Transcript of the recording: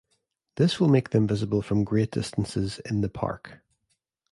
This will make them visible from great distances in the park.